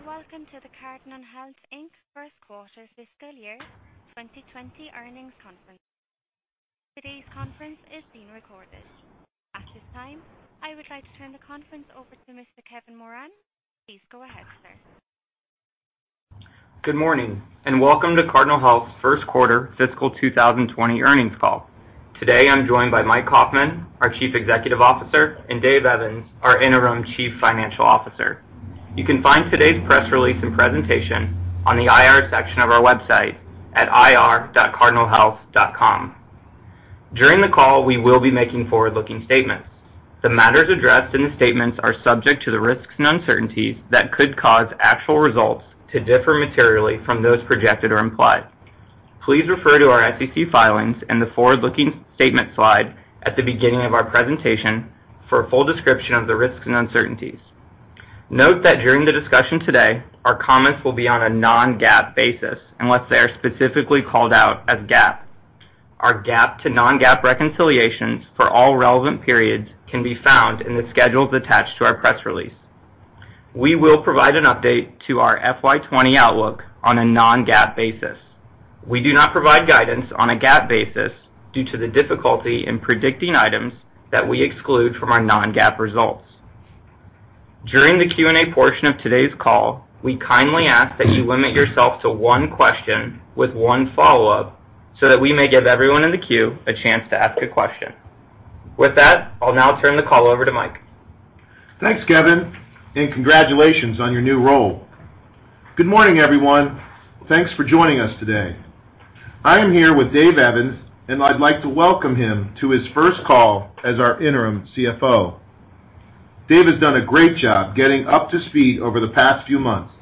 Good day, and welcome to the Cardinal Health Inc.'s Q1 Fiscal Year 2020 Earnings Conference. Today's conference is being recorded. At this time, I would like to turn the conference over to Mr. Kevin Moran. Please go ahead, sir. Good morning, and welcome to Cardinal Health's Q1 Fiscal 2020 Earnings Call. Today, I'm joined by Mike Kaufmann, our Chief Executive Officer, and Dave Evans, our interim Chief Financial Officer. You can find today's press release and presentation on the IR section of our website at ir.cardinalhealth.com. During the call, we will be making forward-looking statements. The matters addressed in the statements are subject to the risks and uncertainties that could cause actual results to differ materially from those projected or implied. Please refer to our SEC filings and the forward-looking statement slide at the beginning of our presentation for a full description of the risks and uncertainties. Note that during the discussion today, our comments will be on a non-GAAP basis unless they are specifically called out as GAAP. Our GAAP to non-GAAP reconciliations for all relevant periods can be found in the schedules attached to our press release. We will provide an update to our FY 2020 outlook on a non-GAAP basis. We do not provide guidance on a GAAP basis due to the difficulty in predicting items that we exclude from our non-GAAP results. During the Q&A portion of today's call, we kindly ask that you limit yourself to one question with one follow-up so that we may give everyone in the queue a chance to ask a question. With that, I'll now turn the call over to Mike. Thanks, Kevin. Congratulations on your new role. Good morning, everyone. Thanks for joining us today. I am here with Dave Evans, and I'd like to welcome him to his first call as our interim CFO. Dave has done a great job getting up to speed over the past few months.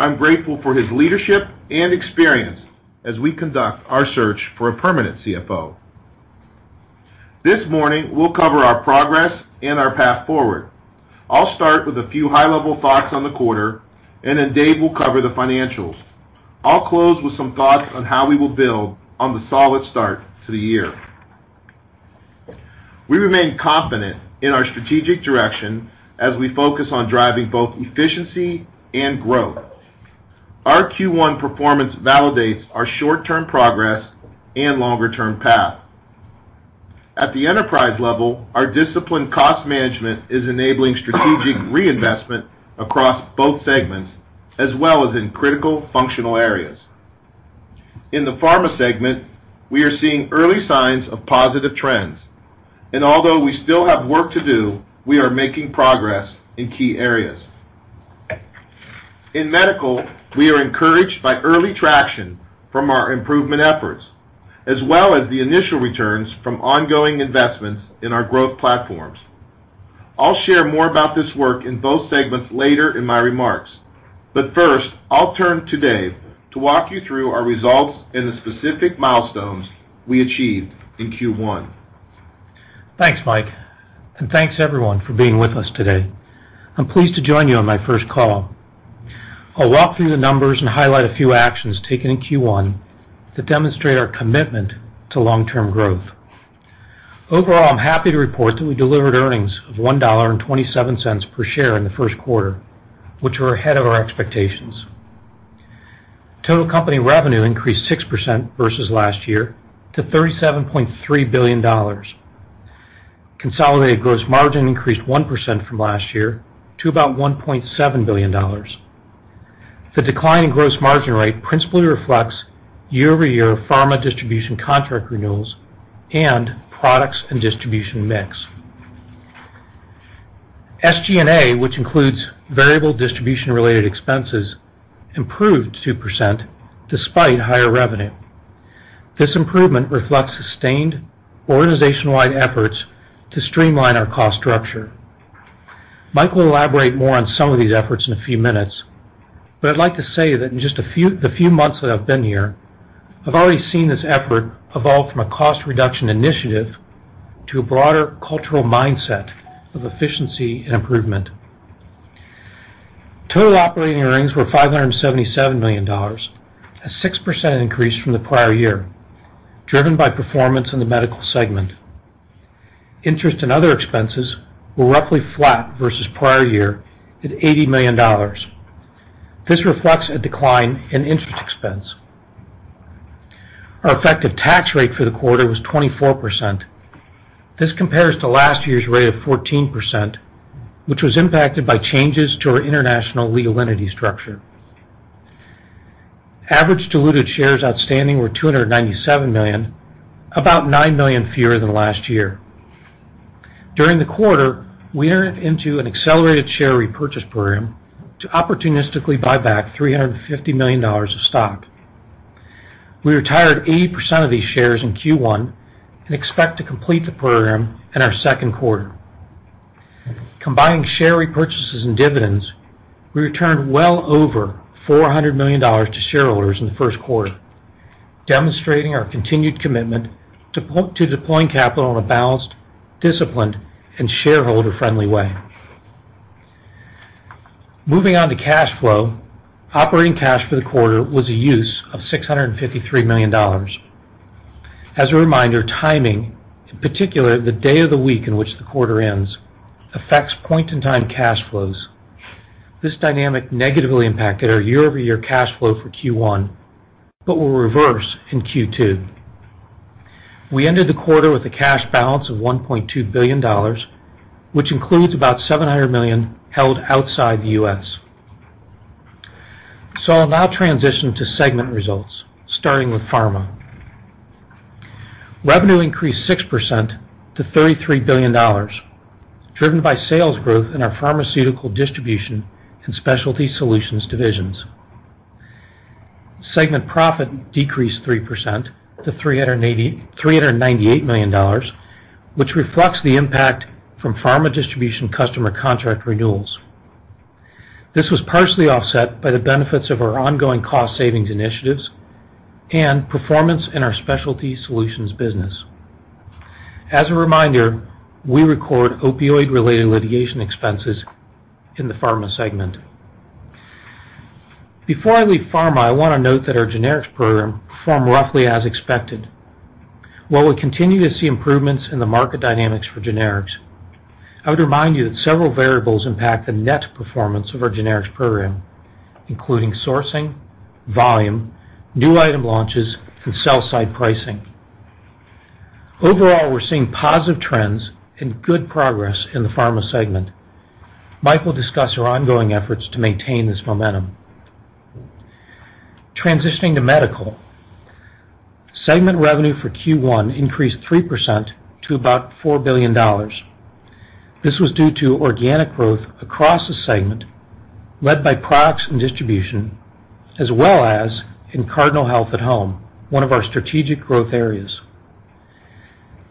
I'm grateful for his leadership and experience as we conduct our search for a permanent CFO. This morning, we'll cover our progress and our path forward. I'll start with a few high-level thoughts on the quarter, and then Dave will cover the financials. I'll close with some thoughts on how we will build on the solid start to the year. We remain confident in our strategic direction as we focus on driving both efficiency and growth. Our Q1 performance validates our short-term progress and longer-term path. At the enterprise level, our disciplined cost management is enabling strategic reinvestment across both segments, as well as in critical functional areas. In the pharma segment, we are seeing early signs of positive trends, although we still have work to do, we are making progress in key areas. In medical, we are encouraged by early traction from our improvement efforts, as well as the initial returns from ongoing investments in our growth platforms. I'll share more about this work in both segments later in my remarks. First, I'll turn to Dave to walk you through our results and the specific milestones we achieved in Q1. Thanks, Mike, and thanks, everyone, for being with us today. I'm pleased to join you on my first call. I'll walk through the numbers and highlight a few actions taken in Q1 that demonstrate our commitment to long-term growth. Overall, I'm happy to report that we delivered earnings of $1.27 per share in the Q1, which were ahead of our expectations. Total company revenue increased 6% versus last year to $37.3 billion. Consolidated gross margin increased 1% from last year to about $1.7 billion. The decline in gross margin rate principally reflects year-over-year pharma distribution contract renewals and products and distribution mix. SG&A, which includes variable distribution-related expenses, improved 2% despite higher revenue. This improvement reflects sustained organizational-wide efforts to streamline our cost structure. Mike will elaborate more on some of these efforts in a few minutes. I'd like to say that in just the few months that I've been here, I've already seen this effort evolve from a cost reduction initiative to a broader cultural mindset of efficiency and improvement. Total operating earnings were $577 million, a 6% increase from the prior year, driven by performance in the Medical Segment. Interest and other expenses were roughly flat versus the prior year at $80 million. This reflects a decline in interest expense. Our effective tax rate for the quarter was 24%. This compares to last year's rate of 14%, which was impacted by changes to our international legal entity structure. Average diluted shares outstanding were 297 million, about 9 million fewer than last year. During the quarter, we entered into an accelerated share repurchase program to opportunistically buy back $350 million of stock. We retired 80% of these shares in Q1 and expect to complete the program in our Q2. Combining share repurchases and dividends, we returned well over $400 million to shareholders in the Q1, demonstrating our continued commitment to deploying capital in a balanced, disciplined, and shareholder-friendly way. Moving on to cash flow. Operating cash for the quarter was a use of $653 million. As a reminder, timing, in particular the day of the week in which the quarter ends, affects point-in-time cash flows. This dynamic negatively impacted our year-over-year cash flow for Q1 but will reverse in Q2. We ended the quarter with a cash balance of $1.2 billion, which includes about $700 million held outside the U.S. I'll now transition to segment results, starting with Pharma. Revenue increased 6% to $33 billion, driven by sales growth in our pharmaceutical distribution and specialty solutions divisions. Segment profit decreased 3% to $398 million, which reflects the impact from pharma distribution customer contract renewals. This was partially offset by the benefits of our ongoing cost savings initiatives and performance in our specialty solutions business. As a reminder, we record opioid-related litigation expenses in the pharma segment. Before I leave pharma, I want to note that our generics program performed roughly as expected. While we continue to see improvements in the market dynamics for generics, I would remind you that several variables impact the net performance of our generics program, including sourcing, volume, new item launches, and sell side pricing. Overall, we're seeing positive trends and good progress in the pharma segment. Mike will discuss our ongoing efforts to maintain this momentum. Transitioning to medical. Segment revenue for Q1 increased 3% to about $4 billion. This was due to organic growth across the segment, led by products and distribution, as well as in Cardinal Health at Home, one of our strategic growth areas.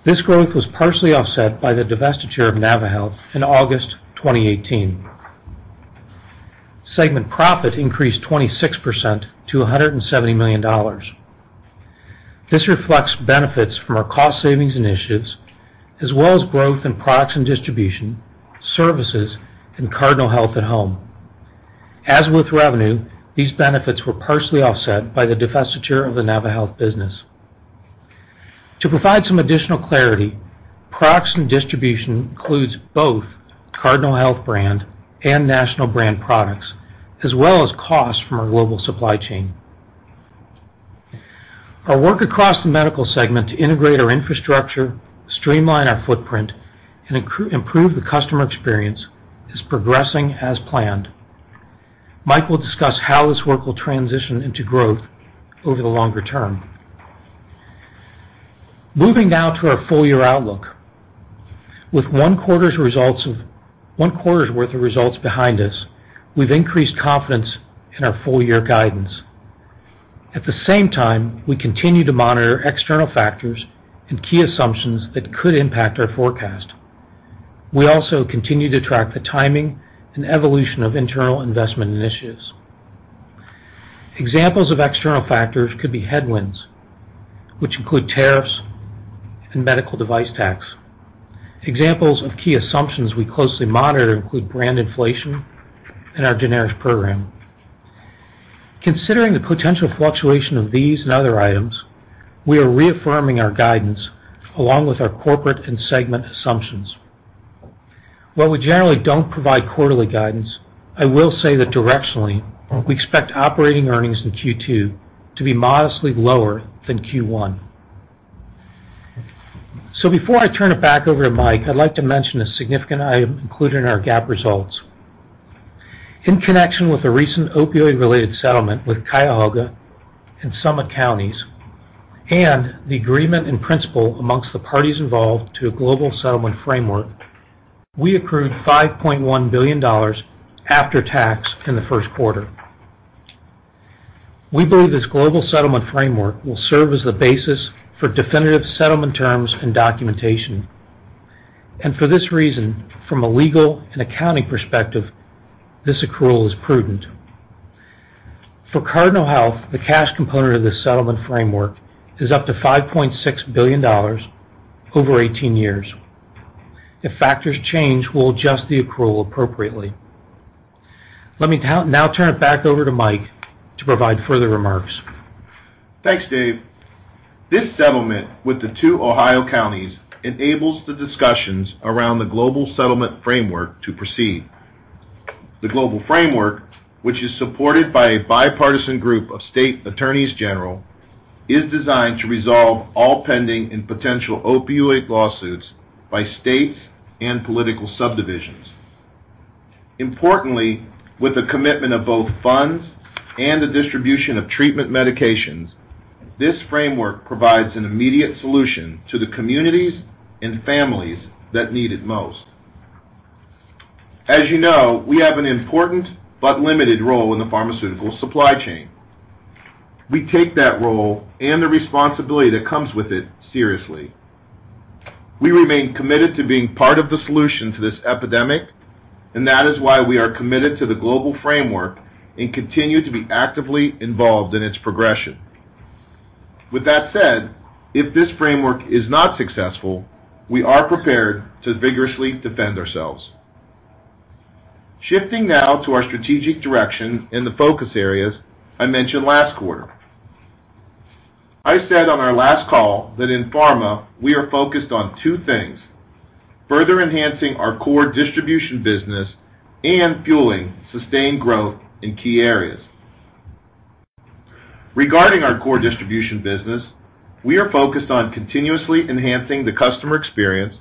This growth was partially offset by the divestiture of naviHealth in August 2018. Segment profit increased 26% to $170 million. This reflects benefits from our cost savings initiatives, as well as growth in products and distribution, services, and Cardinal Health at Home. As with revenue, these benefits were partially offset by the divestiture of the naviHealth business. To provide some additional clarity, products and distribution includes both Cardinal Health brand and national brand products, as well as costs from our global supply chain. Our work across the Medical Segment to integrate our infrastructure, streamline our footprint, and improve the customer experience is progressing as planned. Mike will discuss how this work will transition into growth over the longer term. Moving now to our full year outlook. With one quarter's worth of results behind us, we've increased confidence in our full year guidance. At the same time, we continue to monitor external factors and key assumptions that could impact our forecast. We also continue to track the timing and evolution of internal investment initiatives. Examples of external factors could be headwinds, which include tariffs and medical device tax. Examples of key assumptions we closely monitor include brand inflation and our generics program. Considering the potential fluctuation of these and other items, we are reaffirming our guidance along with our corporate and segment assumptions. While we generally don't provide quarterly guidance, I will say that directionally, we expect operating earnings in Q2 to be modestly lower than Q1. Before I turn it back over to Mike, I'd like to mention a significant item included in our GAAP results. In connection with the recent opioid-related settlement with Cuyahoga and Summit Counties and the agreement in principle amongst the parties involved to a global settlement framework, we accrued $5.1 billion after tax in the Q1. We believe this global settlement framework will serve as the basis for definitive settlement terms and documentation. For this reason, from a legal and accounting perspective, this accrual is prudent. For Cardinal Health, the cash component of this settlement framework is up to $5.6 billion over 18 years. If factors change, we'll adjust the accrual appropriately. Let me now turn it back over to Mike to provide further remarks. Thanks, Dave. This settlement with the two Ohio counties enables the discussions around the global settlement framework to proceed. The global framework, which is supported by a bipartisan group of state Attorneys General, is designed to resolve all pending and potential opioid lawsuits by states and political subdivisions. Importantly, with the commitment of both funds and the distribution of treatment medications, this framework provides an immediate solution to the communities and families that need it most. As you know, we have an important but limited role in the pharmaceutical supply chain. We take that role and the responsibility that comes with it seriously. We remain committed to being part of the solution to this epidemic, and that is why we are committed to the global framework and continue to be actively involved in its progression. With that said, if this framework is not successful, we are prepared to vigorously defend ourselves. Shifting now to our strategic direction in the focus areas I mentioned last quarter. I said on our last call that in pharma, we are focused on two things: further enhancing our core distribution business and fueling sustained growth in key areas. Regarding our core distribution business, we are focused on continuously enhancing the customer experience,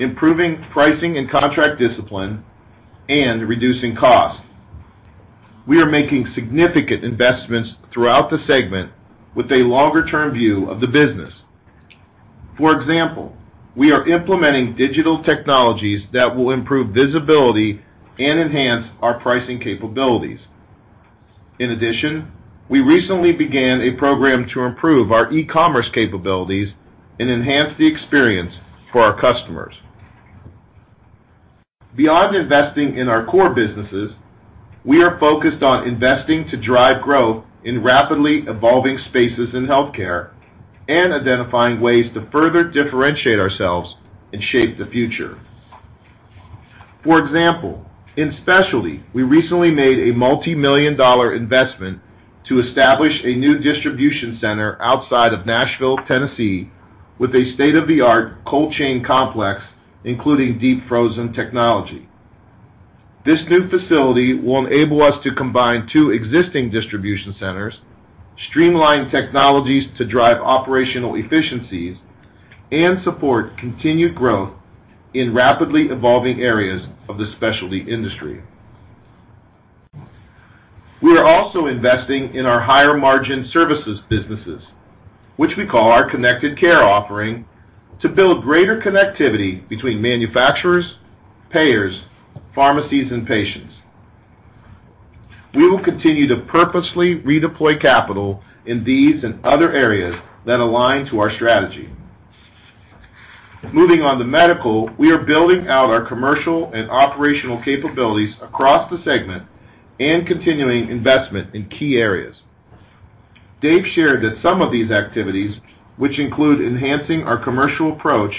improving pricing and contract discipline, and reducing costs. We are making significant investments throughout the segment with a longer-term view of the business. For example, we are implementing digital technologies that will improve visibility and enhance our pricing capabilities. In addition, we recently began a program to improve our e-commerce capabilities and enhance the experience for our customers. Beyond investing in our core businesses, we are focused on investing to drive growth in rapidly evolving spaces in healthcare and identifying ways to further differentiate ourselves and shape the future. For example, in specialty, we recently made a multimillion-dollar investment to establish a new distribution center outside of Nashville, Tennessee, with a state-of-the-art cold chain complex, including deep frozen technology. This new facility will enable us to combine two existing distribution centers, streamline technologies to drive operational efficiencies, and support continued growth in rapidly evolving areas of the specialty industry. We are also investing in our higher margin services businesses, which we call our connected care offering, to build greater connectivity between manufacturers, payers, pharmacies, and patients. We will continue to purposely redeploy capital in these and other areas that align to our strategy. Moving on to Medical, we are building out our commercial and operational capabilities across the segment and continuing investment in key areas. Dave shared that some of these activities, which include enhancing our commercial approach,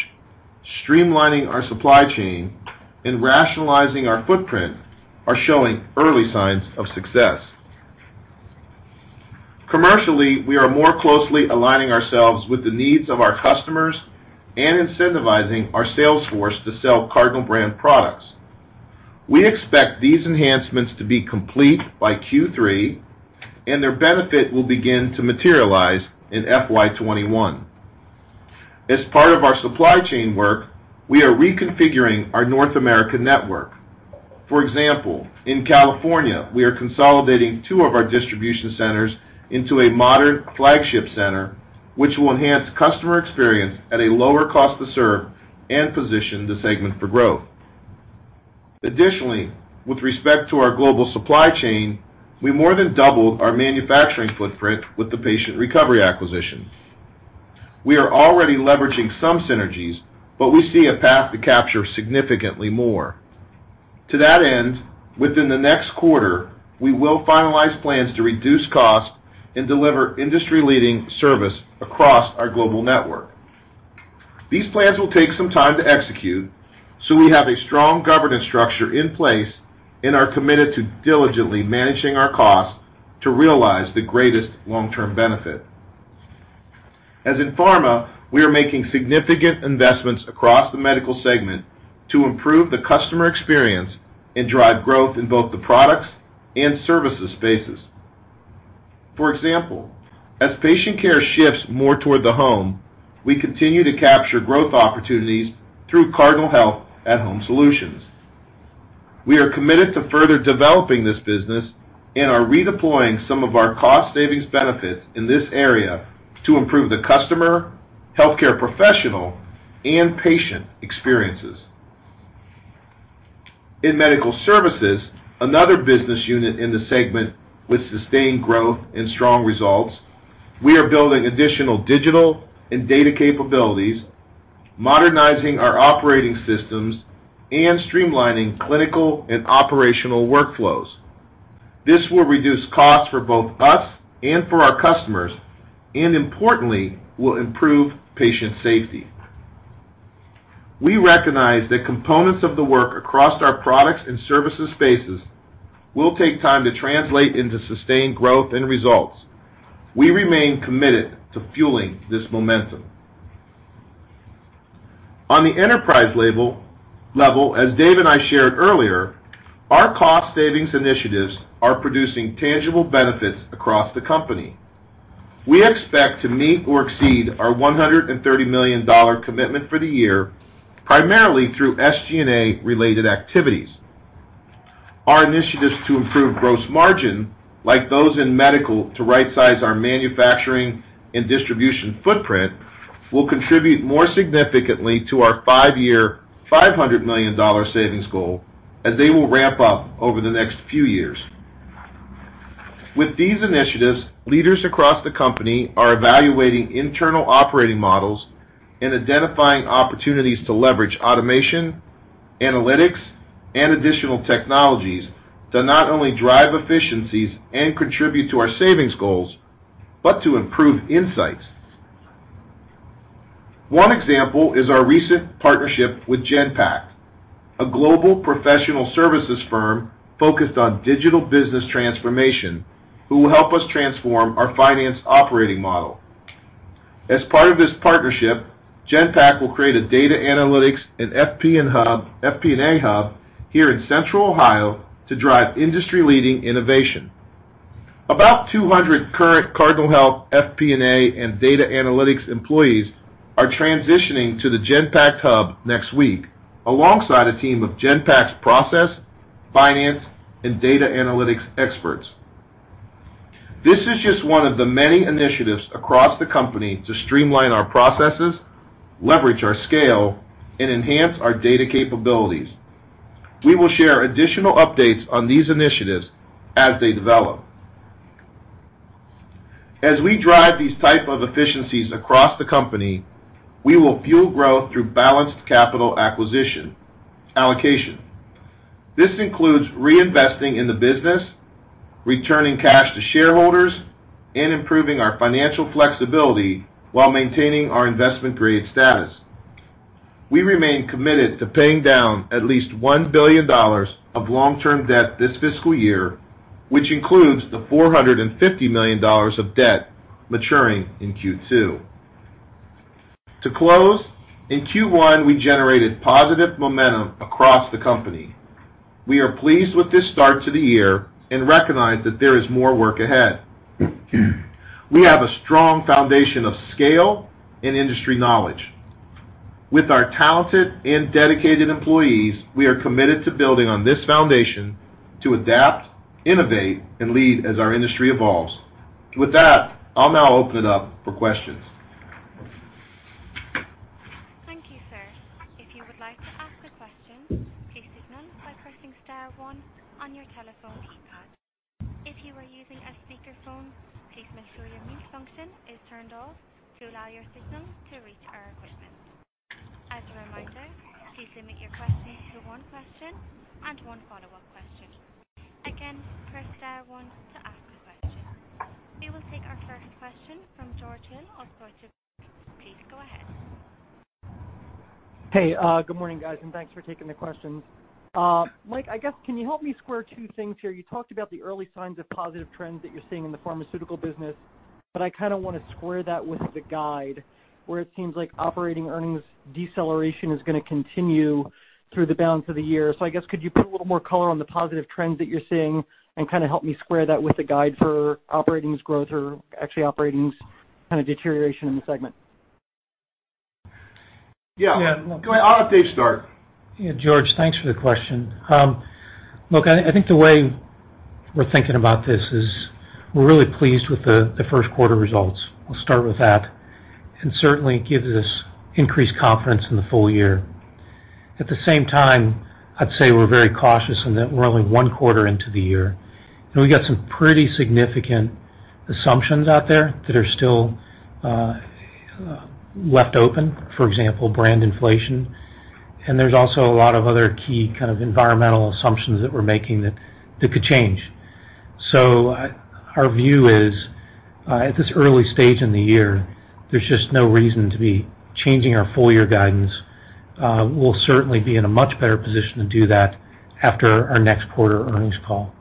streamlining our supply chain, and rationalizing our footprint, are showing early signs of success. Commercially, we are more closely aligning ourselves with the needs of our customers and incentivizing our sales force to sell Cardinal brand products. We expect these enhancements to be complete by Q3, and their benefit will begin to materialize in FY 2021. As part of our supply chain work, we are reconfiguring our North American network. For example, in California, we are consolidating two of our distribution centers into a modern flagship center, which will enhance customer experience at a lower cost to serve and position the segment for growth. With respect to our global supply chain, we more than doubled our manufacturing footprint with the Patient Recovery acquisition. We are already leveraging some synergies, we see a path to capture significantly more. To that end, within the next quarter, we will finalize plans to reduce costs and deliver industry-leading service across our global network. These plans will take some time to execute, we have a strong governance structure in place and are committed to diligently managing our costs to realize the greatest long-term benefit. As in pharma, we are making significant investments across the medical segment to improve the customer experience and drive growth in both the products and services spaces. For example, as patient care shifts more toward the home, we continue to capture growth opportunities through Cardinal Health at Home Solutions. We are committed to further developing this business and are redeploying some of our cost savings benefits in this area to improve the customer, healthcare professional, and patient experiences. In medical services, another business unit in the segment with sustained growth and strong results, we are building additional digital and data capabilities, modernizing our operating systems, and streamlining clinical and operational workflows. This will reduce costs for both us and for our customers and importantly, will improve patient safety. We recognize that components of the work across our products and services spaces will take time to translate into sustained growth and results. We remain committed to fueling this momentum. On the enterprise level, as Dave and I shared earlier, our cost savings initiatives are producing tangible benefits across the company. We expect to meet or exceed our $130 million commitment for the year, primarily through SG&A related activities. Our initiatives to improve gross margin, like those in medical to right-size our manufacturing and distribution footprint, will contribute more significantly to our five-year, $500 million savings goal as they will ramp up over the next few years. With these initiatives, leaders across the company are evaluating internal operating models and identifying opportunities to leverage automation, analytics, and additional technologies to not only drive efficiencies and contribute to our savings goals, but to improve insights. One example is our recent partnership with Genpact, a global professional services firm focused on digital business transformation, who will help us transform our finance operating model. As part of this partnership, Genpact will create a data analytics and FP&A hub here in Central Ohio to drive industry-leading innovation. About 200 current Cardinal Health FP&A and data analytics employees are transitioning to the Genpact hub next week, alongside a team of Genpact's process, finance, and data analytics experts. This is just one of the many initiatives across the company to streamline our processes, leverage our scale, and enhance our data capabilities. We will share additional updates on these initiatives as they develop. As we drive these types of efficiencies across the company, we will fuel growth through balanced capital allocation. This includes reinvesting in the business, returning cash to shareholders, and improving our financial flexibility while maintaining our investment-grade status. We remain committed to paying down at least $1 billion of long-term debt this fiscal year, which includes the $450 million of debt maturing in Q2. To close, in Q1, we generated positive momentum across the company. We are pleased with this start to the year and recognize that there is more work ahead. We have a strong foundation of scale and industry knowledge. With our talented and dedicated employees, we are committed to building on this foundation to adapt, innovate, and lead as our industry evolves. With that, I'll now open it up for questions. Thank you, sir. If you would like to ask a question, please signal by pressing *1 on your telephone keypad. If you are using a speakerphone, please make sure your mute function is turned off to allow your system to reach our equipment. As a reminder, please limit your question to one question and one follow-up question. Again, press *1 to ask a question. We will take our first question from George Hill of Deutsche Bank. Please go ahead. Good morning, guys, thanks for taking the questions. Mike, I guess, can you help me square two things here? You talked about the early signs of positive trends that you're seeing in the pharmaceutical business, but I want to square that with the guide, where it seems like operating earnings deceleration is going to continue through the balance of the year. I guess, could you put a little more color on the positive trends that you're seeing and help me square that with the guide for operating growth or actually operating deterioration in the segment? Go ahead. I'll let Dave start. Yeah, George, thanks for the question. Look, I think the way we're thinking about this is we're really pleased with the Q1 results. We'll start with that. Certainly, it gives us increased confidence in the full year. At the same time, I'd say we're very cautious in that we're only one quarter into the year, and we've got some pretty significant assumptions out there that are still left open. For example, brand inflation, and there's also a lot of other key environmental assumptions that we're making that could change. Our view is, at this early stage in the year, there's just no reason to be changing our full-year guidance. We'll certainly be in a much better position to do that after our next quarter earnings call.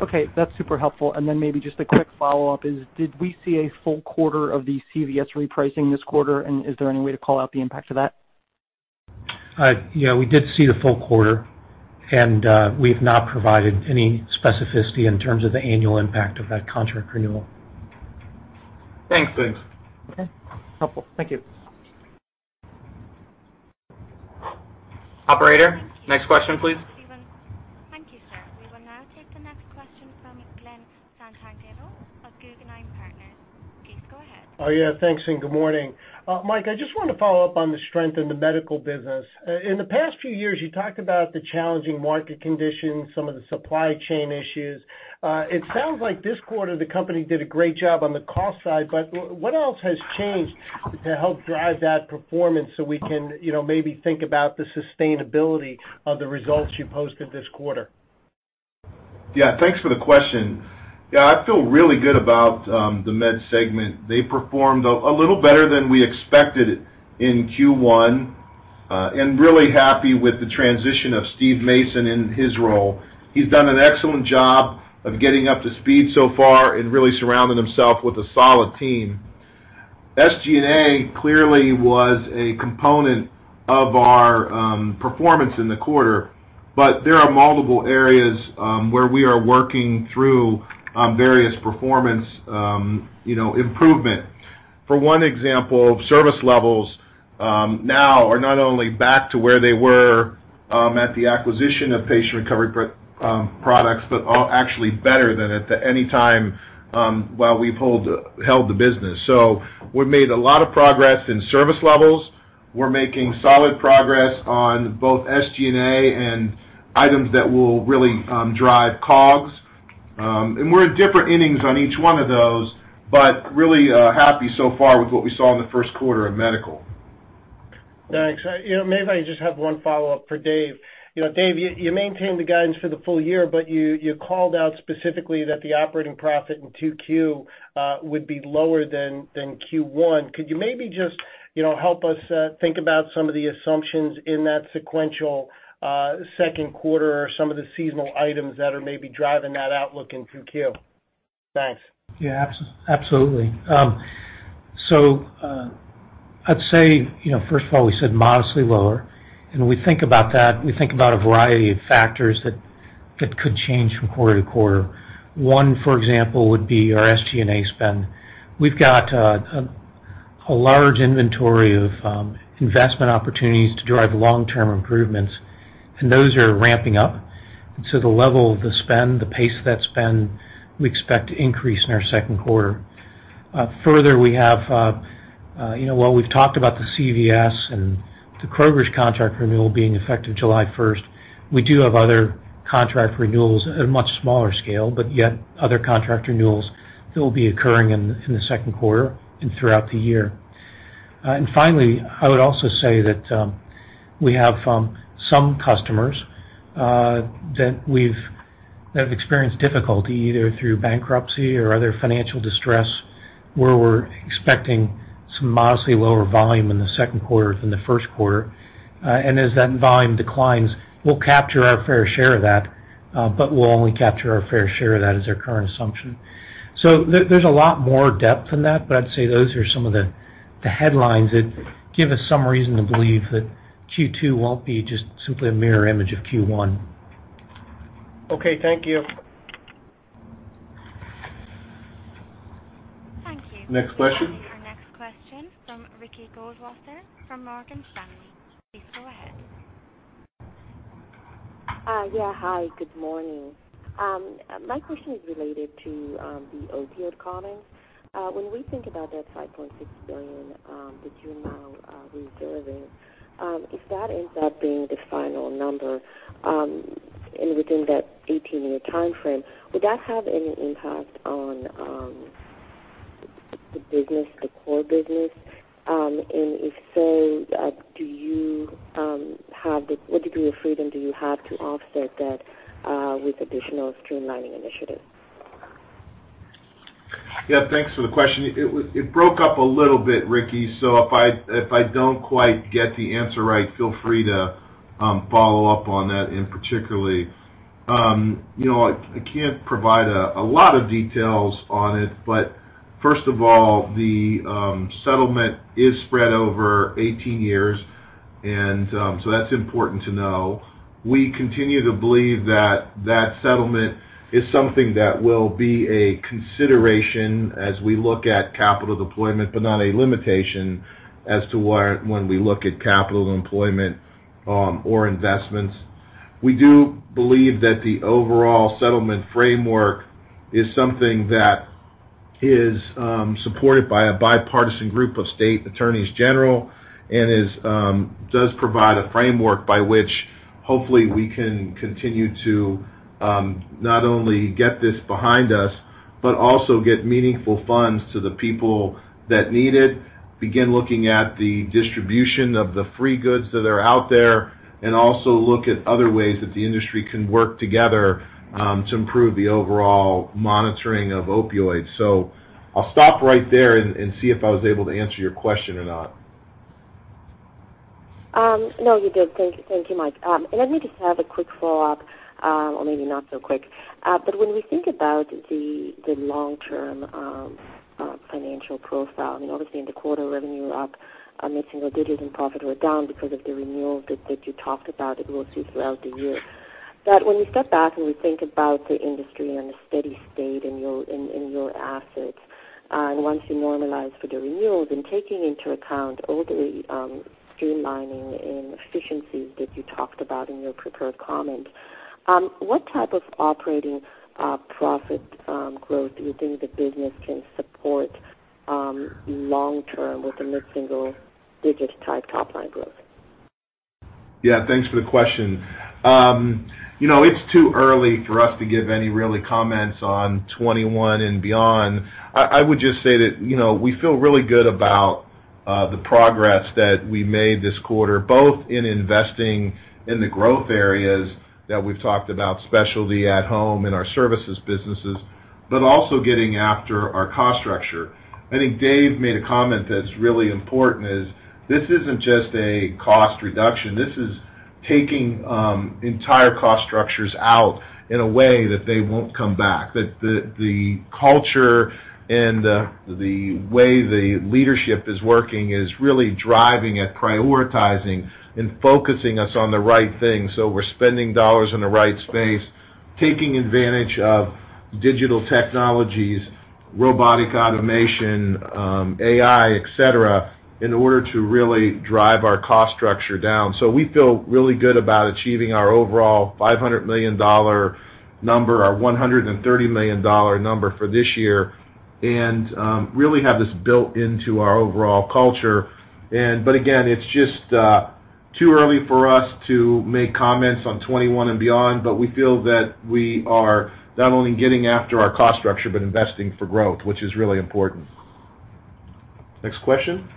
Okay, that's super helpful. Maybe just a quick follow-up is, did we see a full quarter of the CVS repricing this quarter, and is there any way to call out the impact of that? Yeah, we did see the full quarter, and we've not provided any specificity in terms of the annual impact of that contract renewal. Thanks, Dave. Okay. Helpful. Thank you. Operator, next question, please. Thank you, sir. We will now take the next question from Glen Santangelo of Guggenheim Partners. Please go ahead. Oh, yeah. Thanks, good morning. Mike, I just want to follow up on the strength in the Medical Segment. In the past few years, you talked about the challenging market conditions, some of the supply chain issues. It sounds like this quarter, the company did a great job on the cost side, what else has changed to help drive that performance so we can maybe think about the sustainability of the results you posted this quarter? Thanks for the question. I feel really good about the Medical segment. They performed a little better than we expected in Q1, and really happy with the transition of Steve Mason in his role. He's done an excellent job of getting up to speed so far and really surrounding himself with a solid team. SG&A clearly was a component of our performance in the quarter, but there are multiple areas where we are working through various performance improvement. For one example, service levels now are not only back to where they were at the acquisition of Patient Recovery Products, but are actually better than at any time while we've held the business. We've made a lot of progress in service levels. We're making solid progress on both SG&A and items that will really drive COGS. We're in different innings on each one of those, but really happy so far with what we saw in the Q1 of Medical. Thanks. Maybe I just have one follow-up for Dave. Dave, you maintained the guidance for the full year, but you called out specifically that the operating profit in Q2 would be lower than Q1. Could you maybe just help us think about some of the assumptions in that sequential Q2 or some of the seasonal items that are maybe driving that outlook in Q2? Thanks. Yeah, absolutely. I'd say, first of all, we said modestly lower, and when we think about that, we think about a variety of factors that could change from quarter to quarter. One, for example, would be our SG&A spend. We've got a large inventory of investment opportunities to drive long-term improvements, and those are ramping up. The level of the spend, the pace of that spend, we expect to increase in our Q2. Further, while we've talked about the CVS and the Kroger contract renewal being effective July 1st, we do have other contract renewals at a much smaller scale, but yet other contract renewals that will be occurring in the Q2 and throughout the year. Finally, I would also say that we have some customers that have experienced difficulty, either through bankruptcy or other financial distress, where we're expecting some modestly lower volume in the Q2 than the Q1. As that volume declines, we'll capture our fair share of that, but we'll only capture our fair share of that is our current assumption. There's a lot more depth than that, but I'd say those are some of the headlines that give us some reason to believe that Q2 won't be just simply a mirror image of Q1. Okay, thank you. Thank you. Next question. Our next question from Ricky Goldwasser from Morgan Stanley. Please go ahead. Yeah. Hi, good morning. My question is related to the opioid comments. When we think about that $5.6 billion that you're now reserving, if that ends up being the final number, and within that 18-year timeframe, would that have any impact on the core business? If so, what degree of freedom do you have to offset that with additional streamlining initiatives? Yeah, thanks for the question. It broke up a little bit, Ricky, so if I don't quite get the answer right, feel free to follow up on that in particularly. I can't provide a lot of details on it, but first of all, the settlement is spread over 18 years, and so that's important to know. We continue to believe that that settlement is something that will be a consideration as we look at capital deployment, but not a limitation as to when we look at capital deployment or investments. We do believe that the overall settlement framework is something that is supported by a bipartisan group of state Attorneys General and does provide a framework by which hopefully we can continue to not only get this behind us, but also get meaningful funds to the people that need it, begin looking at the distribution of the free goods that are out there, and also look at other ways that the industry can work together to improve the overall monitoring of opioids. I'll stop right there and see if I was able to answer your question or not. No, you did. Thank you, Mike. Let me just have a quick follow-up, or maybe not so quick. When we think about the long-term financial profile, obviously in the quarter, revenue were up mid-single digits and profit were down because of the renewals that you talked about that we'll see throughout the year. When we step back and we think about the industry and the steady state in your assets, and once you normalize for the renewals and taking into account all the streamlining and efficiencies that you talked about in your prepared comments, what type of operating profit growth do you think the business can support long term with the mid-single digit type top-line growth? Yeah, thanks for the question. It's too early for us to give any really comments on 2021 and beyond. I would just say that we feel really good about the progress that we made this quarter, both in investing in the growth areas that we've talked about, specialty, at-Home, in our services businesses, but also getting after our cost structure. I think Dave made a comment that's really important is this isn't just a cost reduction. This is taking entire cost structures out in a way that they won't come back, that the culture and the way the leadership is working is really driving and prioritizing and focusing us on the right things. We're spending dollars in the right space, taking advantage of digital technologies, robotic automation, AI, et cetera, in order to really drive our cost structure down. We feel really good about achieving our overall $500 million number, our $130 million number for this year, and really have this built into our overall culture. Again, it's just too early for us to make comments on 2021 and beyond, but we feel that we are not only getting after our cost structure but investing for growth, which is really important. Next question.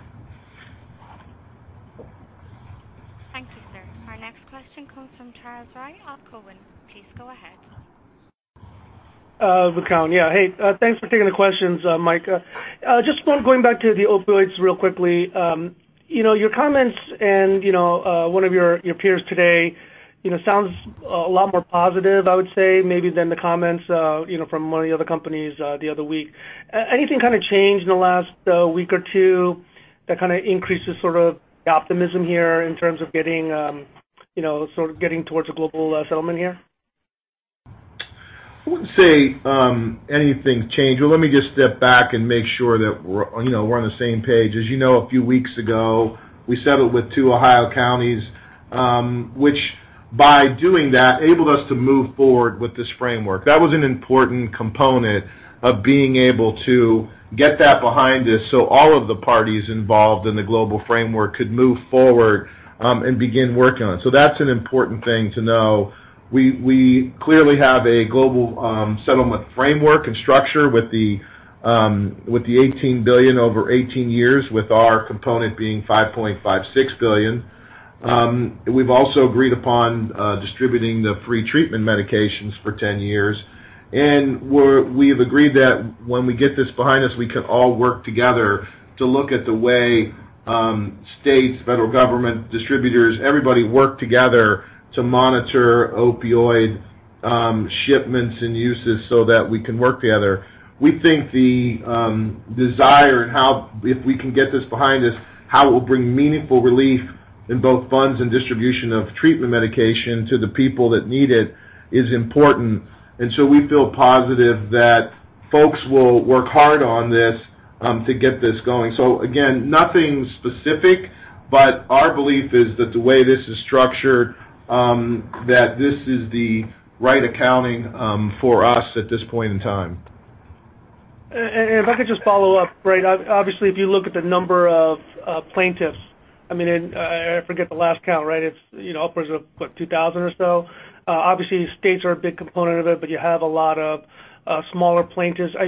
Thank you, sir. Our next question comes from Charles Rhyee from TD Cowen. Please go ahead. Hey, thanks for taking the questions, Mike. Just going back to the opioids real quickly. Your comments and one of your peers today sounds a lot more positive, I would say, maybe than the comments from many other companies the other week. Anything changed in the last week or two that increases the optimism here in terms of getting towards a global settlement here? I wouldn't say anything's changed. Well, let me just step back and make sure that we're on the same page. As you know, a few weeks ago, we settled with two Ohio counties, which by doing that, enabled us to move forward with this framework. That was an important component of being able to get that behind us so all of the parties involved in the global framework could move forward and begin working on it. That's an important thing to know. We clearly have a global settlement framework and structure with the $18 billion over 18 years, with our component being $5.56 billion. We've also agreed upon distributing the free treatment medications for 10 years. We have agreed that when we get this behind us, we can all work together to look at the way states, federal government, distributors, everybody work together to monitor opioid shipments and uses so that we can work together. We think the desire, if we can get this behind us, how it will bring meaningful relief in both funds and distribution of treatment medication to the people that need it is important. We feel positive that folks will work hard on this to get this going. Again, nothing specific, but our belief is that the way this is structured, that this is the right accounting for us at this point in time. If I could just follow up, right? Obviously, if you look at the number of plaintiffs, I forget the last count, right? It's upwards of, what, 2,000 or so. Obviously, states are a big component of it, but you have a lot of smaller plaintiffs. As I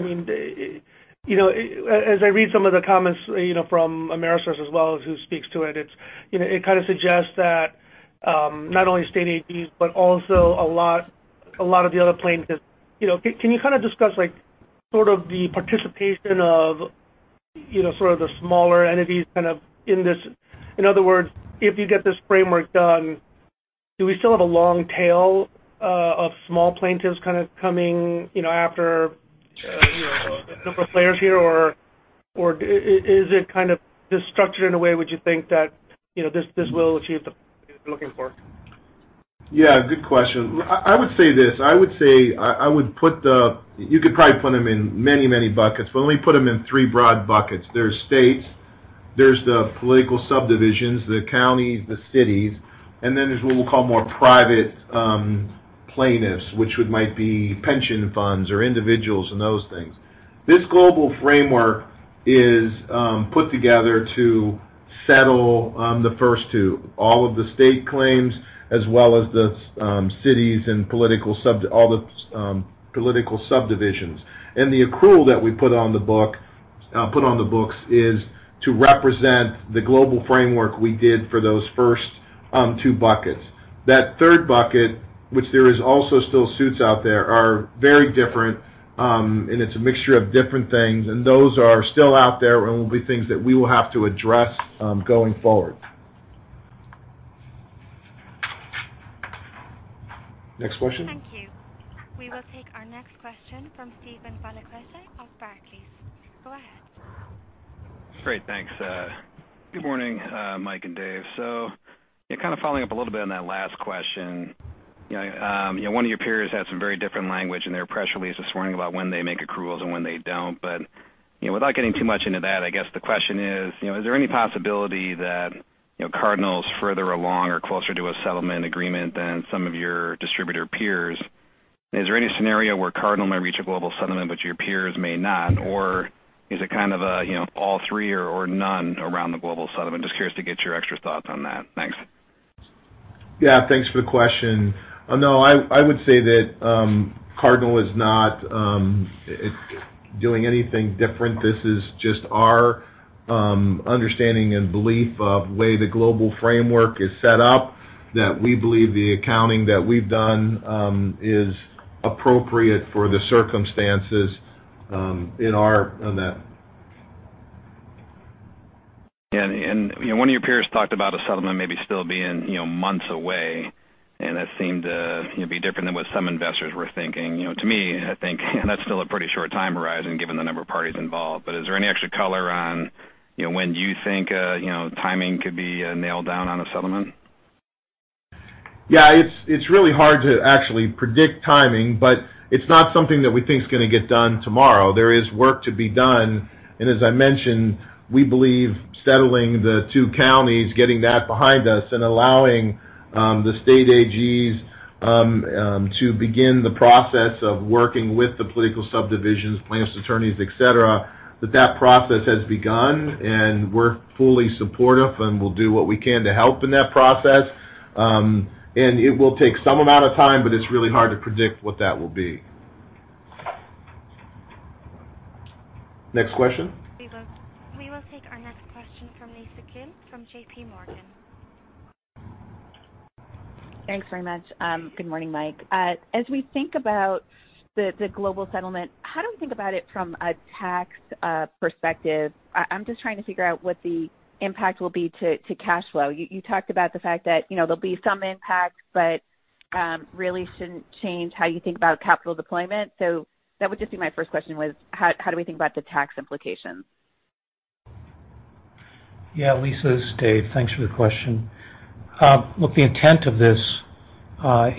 read some of the comments from AmerisourceBergen as well as who speaks to it kind of suggests that not only state AGs, but also a lot of the other plaintiffs. Can you discuss the participation of the smaller entities in this? In other words, if you get this framework done, do we still have a long tail of small plaintiffs coming after the bigger players here? Is it structured in a way, would you think that this will achieve the finality you're looking for? Yeah, good question. I would say this. You could probably put them in many buckets. We only put them in three broad buckets. There's states, there's the political subdivisions, the counties, the cities, and then there's what we'll call more private plaintiffs, which might be pension funds or individuals, and those things. This global framework is put together to settle the first two, all of the state claims, as well as the cities and all the political subdivisions. The accrual that we put on the books is to represent the global framework we did for those first two buckets. That third bucket, which there is also still suits out there, are very different, and it's a mixture of different things, and those are still out there and will be things that we will have to address going forward. Next question. Thank you. We will take our next question from Steven Valiquette of Barclays. Go ahead. Great. Thanks. Good morning, Mike and Dave. Following up a little bit on that last question. One of your peers had some very different language in their press release this morning about when they make accruals and when they don't. Without getting too much into that, I guess the question is: Is there any possibility that Cardinal Health is further along or closer to a settlement agreement than some of your distributor peers? Is there any scenario where Cardinal may reach a global settlement but your peers may not? Is it all three or none around the global settlement? Just curious to get your extra thoughts on that. Thanks. Yeah. Thanks for the question. No, I would say that Cardinal Health is not doing anything different. This is just our understanding and belief of way the global framework is set up, that we believe the accounting that we've done is appropriate for the circumstances in our event. One of your peers talked about a settlement maybe still being months away, and that seemed to be different than what some investors were thinking. To me, I think that's still a pretty short time horizon given the number of parties involved. Is there any extra color on when you think timing could be nailed down on a settlement? Yeah, it's really hard to actually predict timing, but it's not something that we think is going to get done tomorrow. There is work to be done, and as I mentioned, we believe settling the two counties, getting that behind us, and allowing the state AGs to begin the process of working with the political subdivisions, plaintiffs' attorneys, et cetera, that process has begun, and we're fully supportive, and we'll do what we can to help in that process. It will take some amount of time, but it's really hard to predict what that will be. Next question. We will take our next question from Lisa Gill from JPMorgan. Thanks very much. Good morning, Mike. As we think about the global settlement, how do we think about it from a tax perspective? I'm just trying to figure out what the impact will be to cash flow. You talked about the fact that there'll be some impact, but really shouldn't change how you think about capital deployment. That would just be my first question was, how do we think about the tax implications? Yeah. Lisa, this is Dave. Thanks for the question. Look, the intent of this,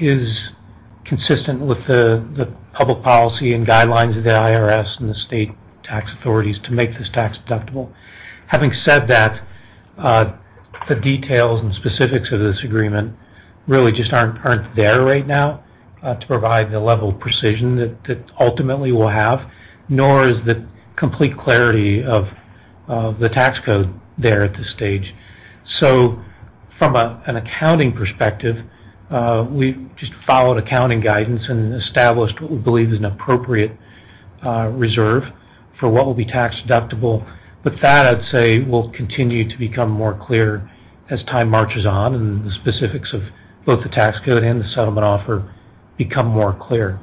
is consistent with the public policy and guidelines of the IRS and the state tax authorities to make this tax-deductible. Having said that, the details and specifics of this agreement really just aren't there right now, to provide the level of precision that ultimately we'll have, nor is the complete clarity of the tax code there at this stage. From an accounting perspective, we just followed accounting guidance and established what we believe is an appropriate reserve for what will be tax deductible. That, I'd say, will continue to become more clear as time marches on and the specifics of both the tax code and the settlement offer become more clear.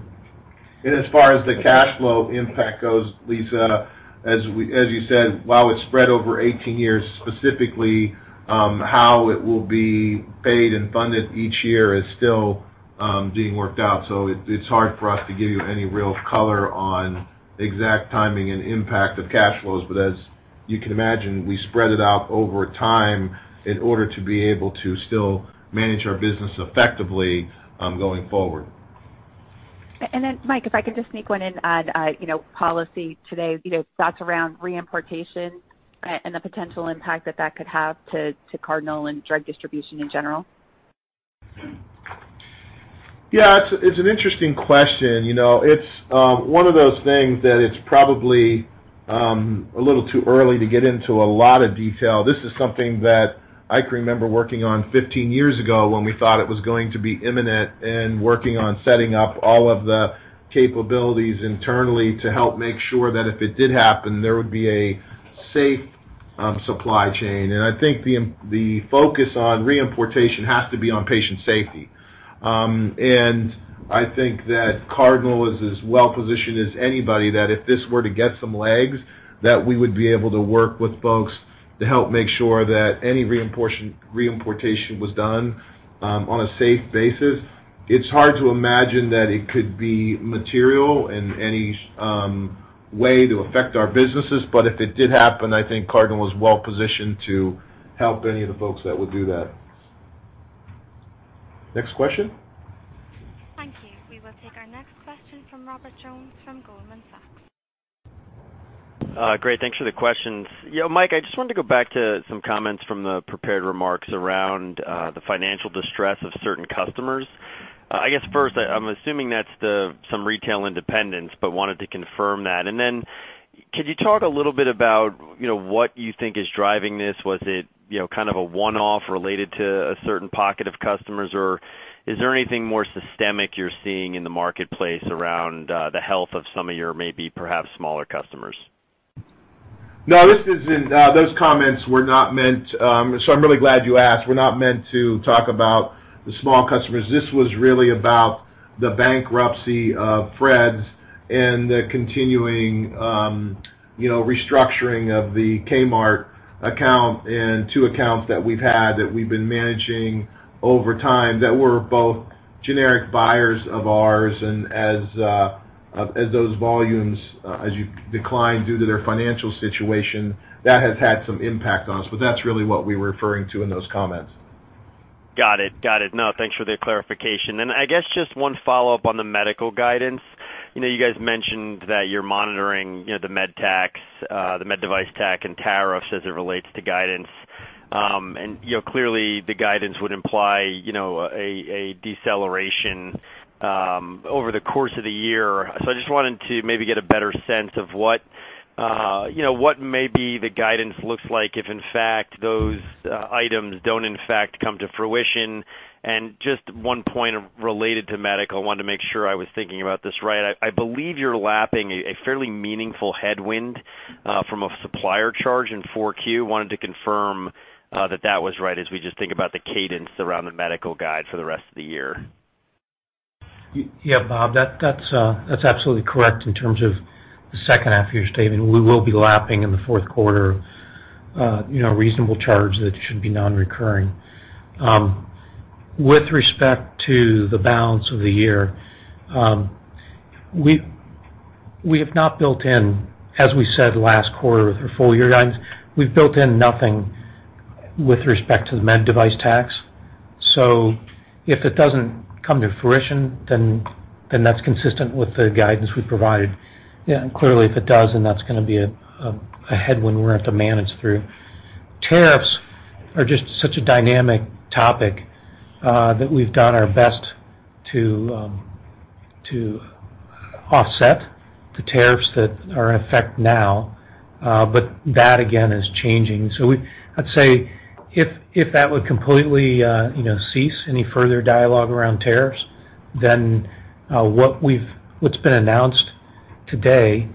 As far as the cash flow impact goes, Lisa, as you said, while it's spread over 18 years, specifically, how it will be paid and funded each year is still being worked out. It's hard for us to give you any real color on exact timing and impact of cash flows. As you can imagine, we spread it out over time in order to be able to still manage our business effectively going forward. Mike, if I could just sneak one in on policy today, thoughts around reimportation and the potential impact that that could have to Cardinal Health and drug distribution in general? Yeah, it's an interesting question. It's one of those things that it's probably a little too early to get into a lot of detail. This is something that I can remember working on 15 years ago when we thought it was going to be imminent and working on setting up all of the capabilities internally to help make sure that if it did happen, there would be a safe supply chain. I think the focus on reimportation has to be on patient safety. I think that Cardinal Health is as well-positioned as anybody, that if this were to get some legs, that we would be able to work with folks to help make sure that any reimportation was done on a safe basis. It's hard to imagine that it could be material in any way to affect our businesses. If it did happen, I think Cardinal was well positioned to help any of the folks that would do that. Next question. Thank you. We will take our next question from Robert Jones from Goldman Sachs. Great. Thanks for the questions. Mike, I just wanted to go back to some comments from the prepared remarks around the financial distress of certain customers. I guess first, I'm assuming that's some retail independents, but wanted to confirm that. Could you talk a little bit about what you think is driving this? Was it kind of a one-off related to a certain pocket of customers, or is there anything more systemic you're seeing in the marketplace around the health of some of your maybe perhaps smaller customers? I'm really glad you asked. Those comments were not meant to talk about the small customers. This was really about the bankruptcy of Fred's and the continuing restructuring of the Kmart account and two accounts that we've had that we've been managing over time that were both generic buyers of ours. As those volumes decline due to their financial situation, that has had some impact on us. That's really what we were referring to in those comments. Got it. No, thanks for the clarification. I guess just one follow-up on the medical guidance. You guys mentioned that you're monitoring the med tax, the med device tax and tariffs as it relates to guidance. Clearly the guidance would imply a deceleration over the course of the year. I just wanted to maybe get a better sense of what maybe the guidance looks like if in fact those items don't in fact come to fruition. Just one point related to medical, I wanted to make sure I was thinking about this right. I believe you're lapping a fairly meaningful headwind from a supplier charge in Q4. I wanted to confirm that that was right as we just think about the cadence around the medical guide for the rest of the year. Yeah, Bob, that's absolutely correct in terms of the second half-year statement. We will be lapping in the Q4 receivables charge that should be non-recurring. With respect to the balance of the year, we have not built in, as we said last quarter with our full-year guidance, we've built in nothing with respect to the medical device tax. If it doesn't come to fruition, that's consistent with the guidance we provided. Clearly, if it does, then that's going to be a headwind we're going to have to manage through. Tariffs are just such a dynamic topic that we've done our best to offset the tariffs that are in effect now. That, again, is changing. I'd say if that would completely cease any further dialogue around tariffs then what's been announced today,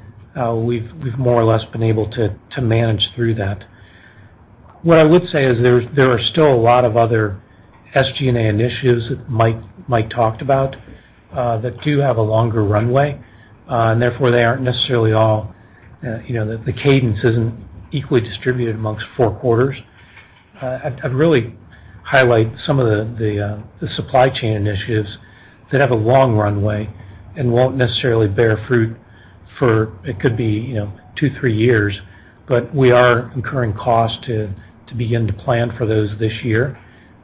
we've more or less been able to manage through that. What I would say is there are still a lot of other SG&A initiatives that Mike talked about that do have a longer runway. Therefore, the cadence isn't equally distributed amongst four quarters. I'd really highlight some of the supply chain initiatives that have a long runway and won't necessarily bear fruit for, it could be two, three years, but we are incurring costs to begin to plan for those this year.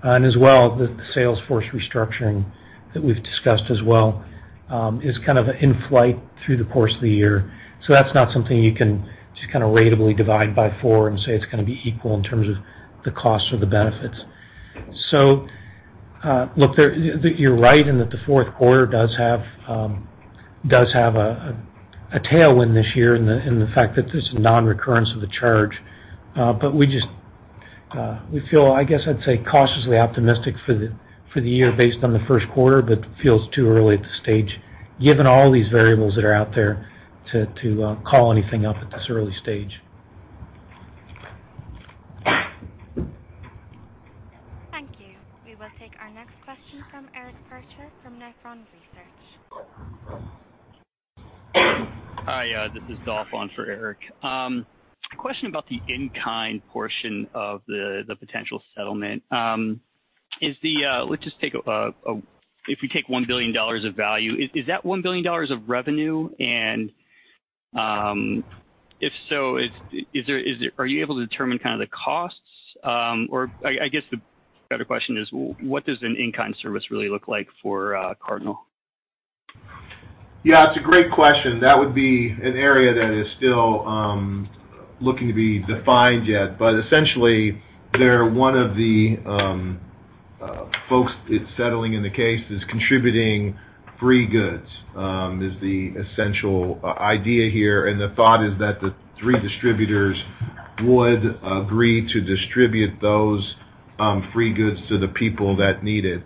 As well, the sales force restructuring that we've discussed as well is kind of in flight through the course of the year. That's not something you can just ratably divide by four and say it's going to be equal in terms of the costs or the benefits. Look, you're right in that the Q4 does have a tailwind this year in the fact that there's non-recurrence of the charge. We feel, I guess I'd say cautiously optimistic for the year based on the Q1, but it feels too early at this stage, given all these variables that are out there, to call anything up at this early stage. Thank you. We will take our next question from Eric Percher from Nephron Research. Hi, this is Dolph Warburton on for Eric. Question about the in-kind portion of the potential settlement. If we take $1 billion of value, is that $1 billion of revenue? If so, are you able to determine kind of the costs or, I guess the better question is, what does an in-kind service really look like for Cardinal Health? Yeah, it's a great question. That would be an area that is still looking to be defined yet, essentially Teva one of the folks settling in the case is contributing free goods, is the essential idea here. The thought is that the three distributors would agree to distribute those free goods to the people that need it.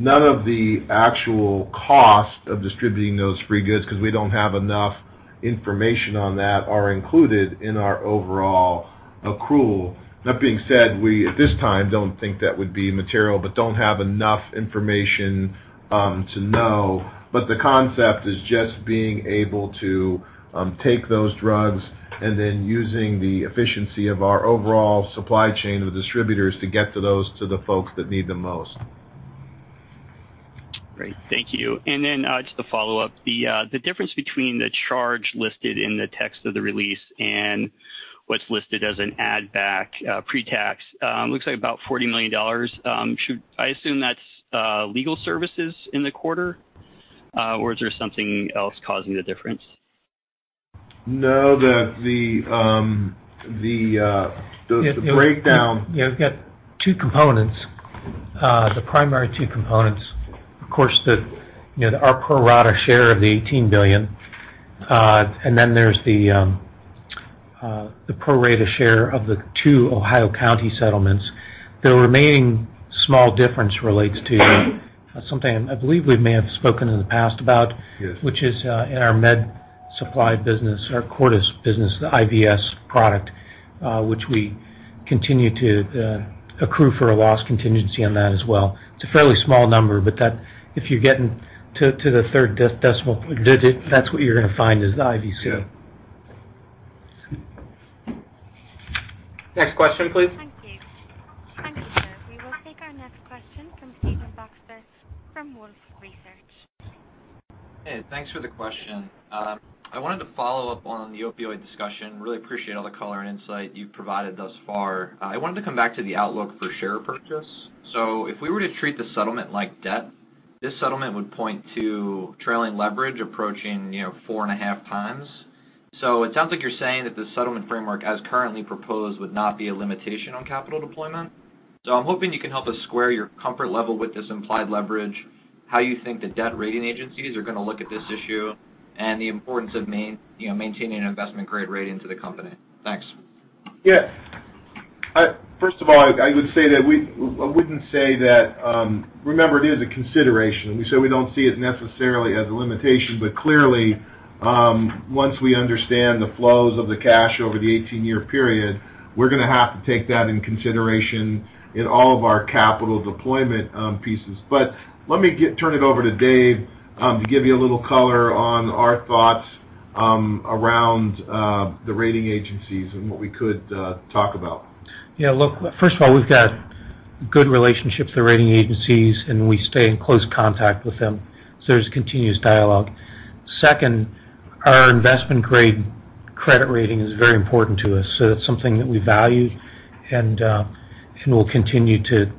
None of the actual cost of distributing those free goods, because we don't have enough information on that, are included in our overall accrual. That being said, we, at this time, don't think that would be material, but don't have enough information to know. The concept is just being able to take those drugs and then using the efficiency of our overall supply chain of distributors to get to those, to the folks that need the most. Great. Thank you. Then just a follow-up. The difference between the charge listed in the text of the release and what's listed as an add back pre-tax, looks like about $40 million. I assume that's legal services in the quarter. Is there something else causing the difference? No. You've got two components. The primary two components, of course, our pro rata share of the $18 billion, there's the pro rata share of the two Ohio County settlements. The remaining small difference relates to something I believe we may have spoken in the past about which is in our med supply business, our Cordis business, the IVC product, which we continue to accrue for a loss contingency on that as well. It's a fairly small number, but if you're getting to the third decimal digit, that's what you're going to find is IVC. Yeah. Thank you. Thank you, sir. We will take our next question from Steven Baxter from Wolfe Research. Hey, thanks for the question. I wanted to follow up on the opioid discussion. Really appreciate all the color and insight you've provided thus far. I wanted to come back to the outlook for share purchase. If we were to treat the settlement like debt, this settlement would point to trailing leverage approaching 4.5x. It sounds like you're saying that the settlement framework, as currently proposed, would not be a limitation on capital deployment. I'm hoping you can help us square your comfort level with this implied leverage, how you think the debt rating agencies are going to look at this issue, and the importance of maintaining an investment-grade rating to the company. Thanks. Yeah. First of all, I wouldn't say. Remember, it is a consideration. We say we don't see it necessarily as a limitation, but clearly, once we understand the flows of the cash over the 18-year period, we're going to have to take that into consideration in all of our capital deployment pieces. Let me turn it over to Dave, to give you a little color on our thoughts around the rating agencies and what we could talk about. Yeah, look, first of all, we've got good relationships with the rating agencies, and we stay in close contact with them. There's continuous dialogue. Second, our investment-grade credit rating is very important to us. That's something that we value, and we'll continue to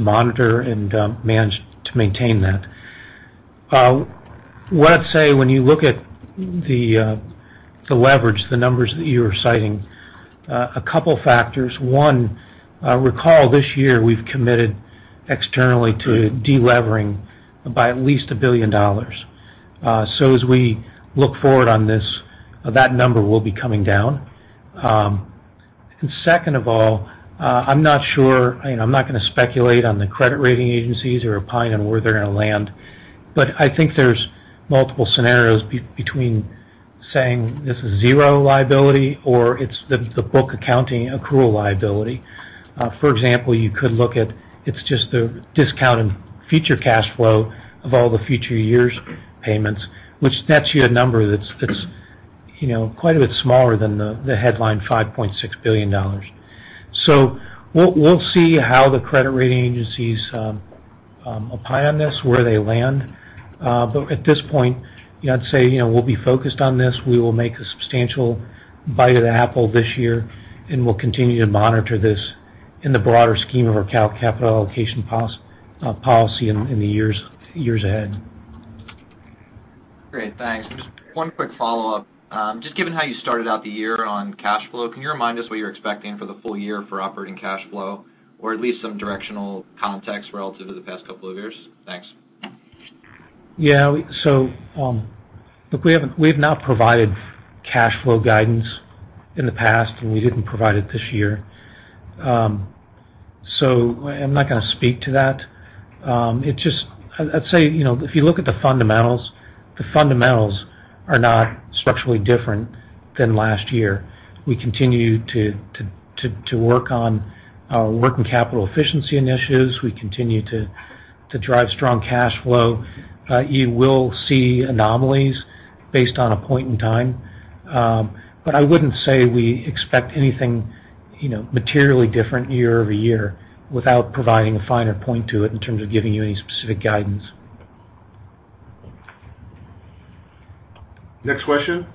monitor and manage to maintain that. Let's say when you look at the leverage, the numbers that you are citing, a couple of factors. One, recall this year we've committed externally to de-levering by at least $1 billion. As we look forward on this, that number will be coming down. Second of all, I'm not going to speculate on the credit rating agencies or opine on where they're going to land, but I think there's multiple scenarios between saying this is zero liability or it's the book accounting accrual liability. For example, you could look at it's just the discounted future cash flow of all the future years' payments, which nets you a number that's quite a bit smaller than the headline $5.6 billion. We'll see how the credit rating agencies opine on this, where they land. At this point, I'd say, we'll be focused on this. We will make a substantial bite of the apple this year, and we'll continue to monitor this in the broader scheme of our capital allocation policy in the years ahead. Great. Thanks. Just one quick follow-up. Just given how you started out the year on cash flow, can you remind us what you're expecting for the full year for operating cash flow, or at least some directional context relative to the past couple of years? Thanks. Yeah. Look, we have not provided cash flow guidance in the past, and we didn't provide it this year. I'm not going to speak to that. I'd say, if you look at the fundamentals, the fundamentals are not structurally different than last year. We continue to work on working capital efficiency initiatives. We continue to drive strong cash flow. You will see anomalies based on a point in time. I wouldn't say we expect anything materially different year-over-year without providing a finer point to it in terms of giving you any specific guidance. Next question.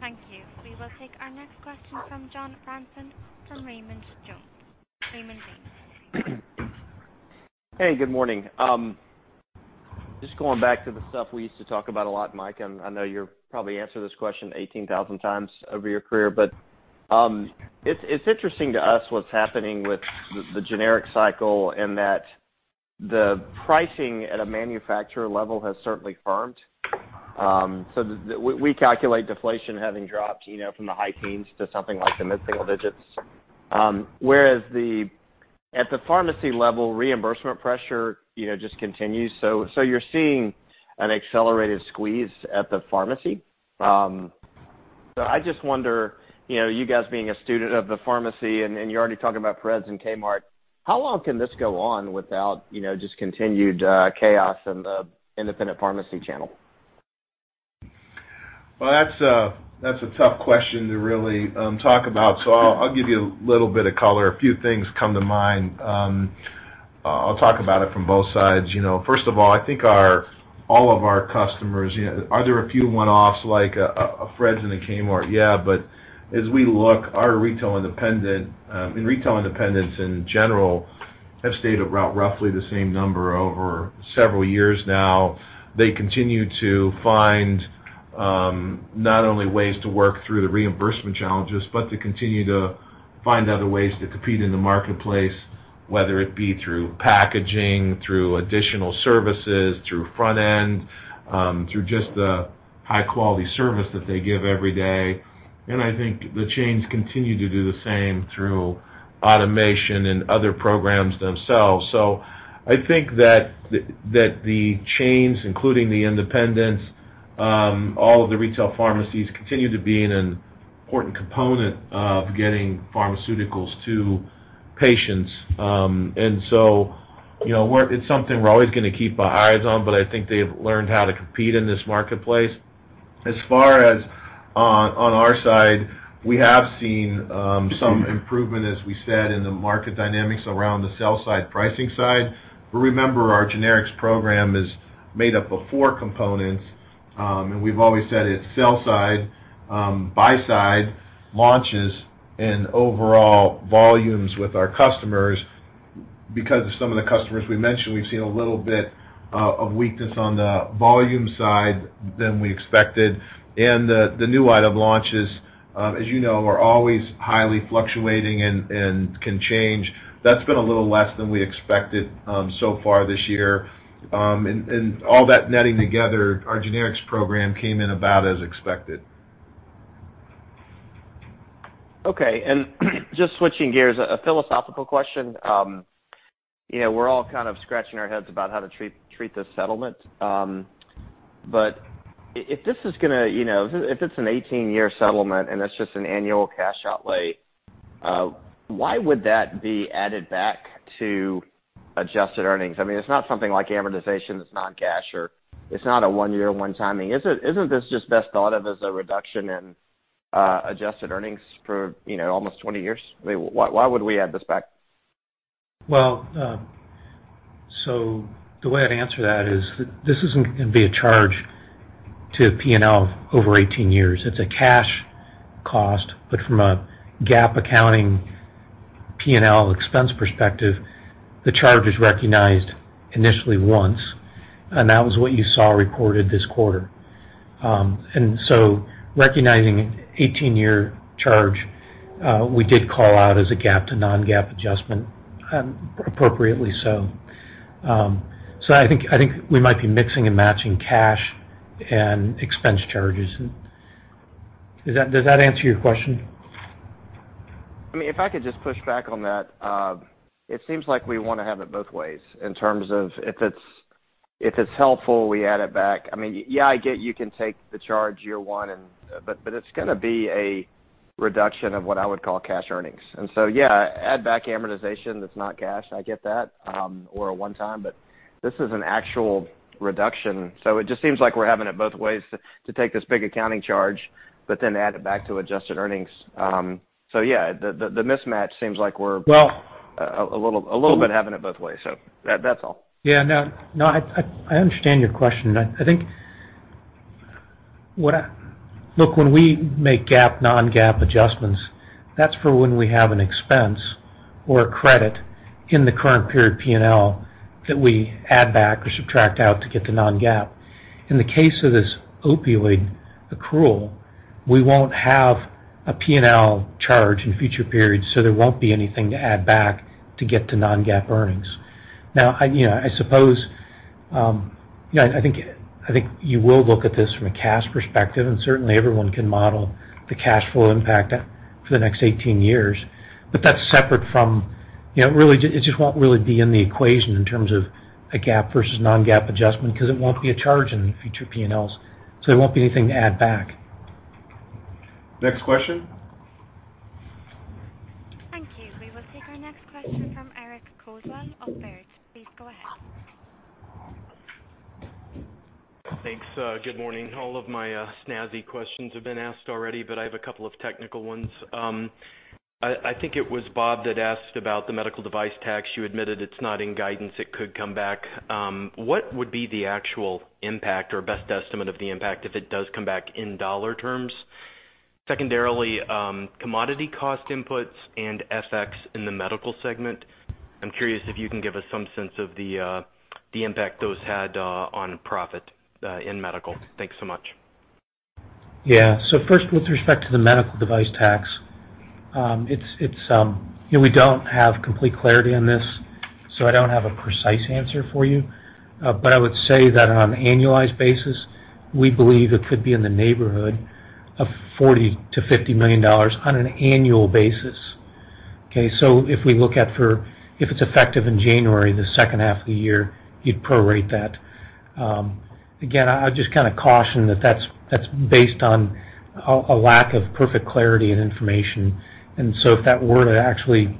Thank you. We will take our next question from John Ransom from Raymond James. Hey, good morning. Just going back to the stuff we used to talk about a lot, Mike, and I know you've probably answered this question 18,000 times over your career, but, it's interesting to us what's happening with the generic cycle in that the pricing at a manufacturer level has certainly firmed. We calculate deflation having dropped, from the high teens to something like the mid-single digits. Whereas at the pharmacy level, reimbursement pressure just continues. You're seeing an accelerated squeeze at the pharmacy. I just wonder, you guys being a student of the pharmacy and you're already talking about Fred's and Kmart, how long can this go on without just continued chaos in the independent pharmacy channel? That's a tough question to really talk about. I'll give you a little bit of color. A few things come to mind. I'll talk about it from both sides. First of all, I think all of our customers, are there a few one-offs like a Fred's and a Kmart? Yeah. As we look, our retail independents in general, have stayed around roughly the same number over several years now. They continue to find, not only ways to work through the reimbursement challenges, but to continue to find other ways to compete in the marketplace, whether it be through packaging, through additional services, through front-end, through just the high-quality service that they give every day. I think the chains continue to do the same through automation and other programs themselves. I think that the chains, including the independents, all of the retail pharmacies, continue to be an important component of getting pharmaceuticals to patients. It's something we're always going to keep our eyes on, but I think they've learned how to compete in this marketplace. As far as on our side, we have seen some improvement, as we said, in the market dynamics around the sell-side, pricing side. Remember, our generics program is made up of four components, and we've always said it's sell side, buy side, launches, and overall volumes with our customers. Because of some of the customers we mentioned, we've seen a little bit of weakness on the volume side than we expected. The new item launches, as you know, are always highly fluctuating and can change. That's been a little less than we expected so far this year. All that netting together, our generics program came in about as expected. Just switching gears, a philosophical question. We're all kind of scratching our heads about how to treat this settlement. If it's an 18-year settlement, and it's just an annual cash outlay, why would that be added back to adjusted earnings? I mean, it's not something like amortization that's non-cash, or it's not a one-year, one timing. Isn't this just best thought of as a reduction in adjusted earnings for almost 20 years? Why would we add this back? The way I'd answer that is this isn't going to be a charge to P&L over 18 years. It's a cash cost, but from a GAAP accounting P&L expense perspective, the charge is recognized initially once, and that was what you saw recorded this quarter. Recognizing an 18-year charge, we did call out as a GAAP to non-GAAP adjustment, appropriately so. I think we might be mixing and matching cash and expense charges. Does that answer your question? If I could just push back on that. It seems like we want to have it both ways in terms of if it's helpful, we add it back. Yeah, I get you can take the charge year one, but it's going to be a reduction of what I would call cash earnings. Yeah, add back amortization, that's not cash, I get that, or a one-time, but this is an actual reduction. It just seems like we're having it both ways to take this big accounting charge, but then add it back to adjusted earnings. Yeah, the mismatch seems like we're- Well- a little bit having it both ways. That's all. No, I understand your question. When we make GAAP, non-GAAP adjustments, that's for when we have an expense or a credit in the current period P&L that we add back or subtract out to get to non-GAAP. In the case of this opioid accrual, we won't have a P&L charge in future periods, so there won't be anything to add back to get to non-GAAP earnings. I think you will look at this from a cash perspective, and certainly everyone can model the cash flow impact for the next 18 years. That, it just won't really be in the equation in terms of a GAAP versus non-GAAP adjustment because it won't be a charge in future P&Ls, so there won't be anything to add back. Next question. Thank you. We will take our next question from Eric Coldwell of Baird. Please go ahead. Thanks. Good morning. All of my snazzy questions have been asked already, but I have a couple of technical ones. I think it was Bob that asked about the medical device tax. You admitted it's not in guidance, it could come back. What would be the actual impact or best estimate of the impact if it does come back in dollar terms? Secondarily, commodity cost inputs and FX in the Medical Segment. I'm curious if you can give us some sense of the impact those had on profit in the Medical Segment. Thanks so much. Yeah. First, with respect to the medical device tax, we don't have complete clarity on this, so I don't have a precise answer for you. I would say that on an annualized basis, we believe it could be in the neighborhood of $40 million-$50 million on an annual basis. Okay. If it's effective in January, the second half of the year, you'd prorate that. Again, I just caution that that's based on a lack of perfect clarity and information. If that were to actually